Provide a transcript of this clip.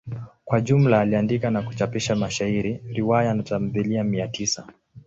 Kwa jumla aliandika na kuchapisha mashairi, riwaya na tamthilia mia tisa.